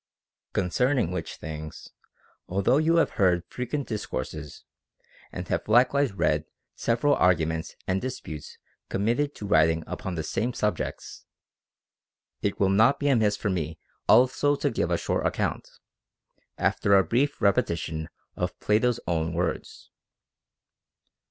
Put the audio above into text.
29. Concerning which things, although you have heard frequent discourses, and have likewise read several argu ments and disputes committed to writing upon the same subjects, it will not be amiss for me also to give a short account, after a brief repetition of Plato's own words.